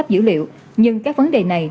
dữ liệu nhưng các vấn đề này